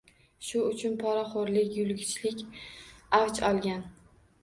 Shu uchun poraxo’rlik, yulg’ichlik avj olgan.